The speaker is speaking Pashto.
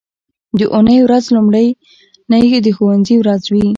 د اونۍ ورځ لومړنۍ د ښوونځي ورځ وي